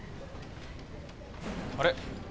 あれ？